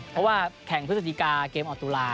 เพราะว่าแข่งพฤศจิกาเกมออกตุลา